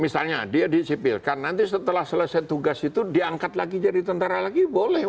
misalnya dia disipilkan nanti setelah selesai tugas itu diangkat lagi jadi tentara lagi boleh